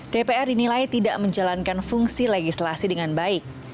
dpr dinilai tidak menjalankan fungsi legislasi dengan baik